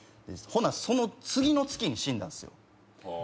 ほなその次の月に死んだんすよ